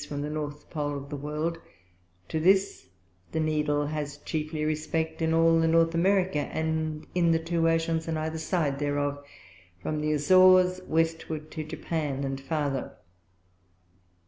from the North Pole of the World; to this the Needle has chiefly respect in all the North America, and in the two Oceans on either side thereof, from the Azores Westward to Japan, and farther.